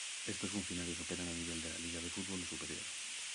Estos funcionarios operan a nivel de la Liga de Fútbol o superior.